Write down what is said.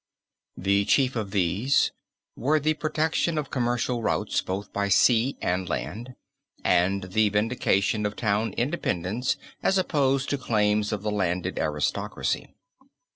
The chief of these were the protection of commercial routes both by sea and land, and the vindication of town independence as opposed to claims of the landed aristocracy.